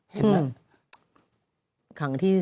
เห็นไหม